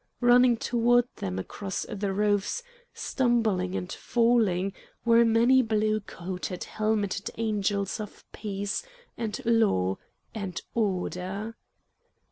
Running toward them across the roofs, stumbling and falling, were many blue coated, helmeted angels of peace and law and order.